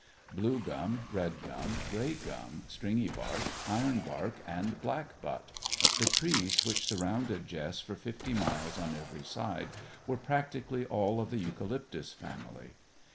Blue gum, red gum, grey gum, stringy bark, iron bark, and black butt; the trees which surrounded Jess for fifty miles on every side were practically all of the eucalyptus family.